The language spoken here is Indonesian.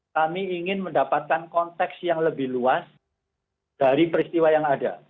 kami ingin mendapatkan konteks yang lebih luas dari peristiwa yang ada